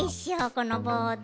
このボード。